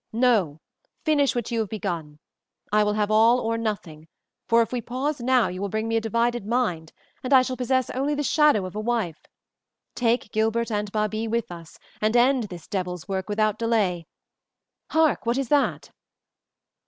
"No! Finish what you have begun. I will have all or nothing, for if we pause now you will bring me a divided mind, and I shall possess only the shadow of a wife. Take Gilbert and Babie with us, and end this devil's work without delay. Hark! What is that?"